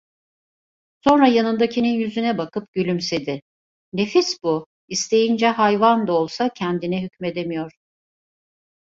Sonra yanındakinin yüzüne bakıp gülümsedi: "Nefis bu, isteyince hayvan da olsa kendine hükmedemiyor."